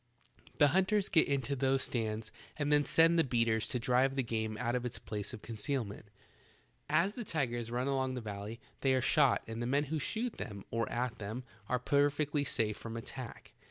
The hunters get into these stands and then send the beaters to drive the game out of its place of 133 134 I'HE TALKING HANDKERCHIEF. concealment. As the tigers run along the valley they are shot and the men who shoot them, or at them, are perfectly safe from attack.